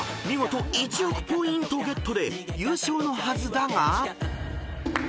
見事１億ポ韻トゲットで優勝のはずだが］